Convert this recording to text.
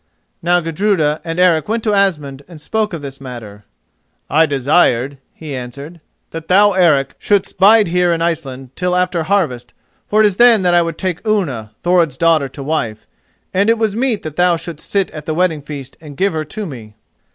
Now Gudruda and Eric went to Asmund and spoke of this matter. "I desired," he answered, "that thou, Eric, shouldst bide here in Iceland till after harvest, for it is then that I would take Unna, Thorod's daughter, to wife, and it was meet that thou shouldst sit at the wedding feast and give her to me."